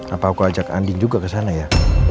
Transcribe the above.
apa aku ajak andin juga kesana ya